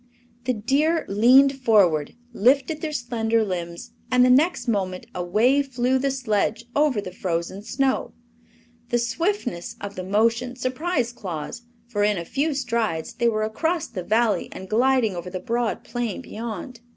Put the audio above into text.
The deer leaned forward, lifted their slender limbs, and the next moment away flew the sledge over the frozen snow. The swiftness of the motion surprised Claus, for in a few strides they were across the Valley and gliding over the broad plain beyond.